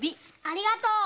ありがとう。